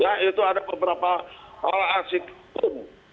ya itu ada beberapa asik pun